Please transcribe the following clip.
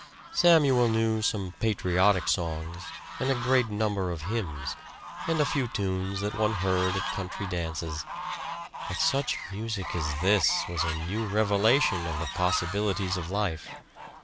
Samuel knew some "patriotic songs," and a great number of hymns, and a few tunes that one heard at country dances. But such music as this was a new revelation of the possibilities of life.